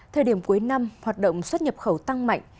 thời điểm cuối năm hoạt động xuất nhập khẩu tăng mạnh